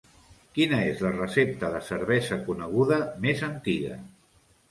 Quina és la recepta de cervesa coneguda més antiga?